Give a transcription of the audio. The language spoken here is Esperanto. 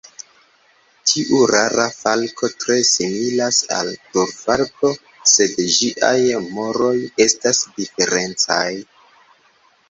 Tiu rara falko tre similas al Turfalko, sed ĝiaj moroj estas diferencaj.